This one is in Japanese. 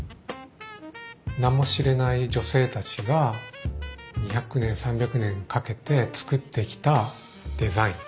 名も知れない女性たちが２００年３００年かけて作ってきたデザイン。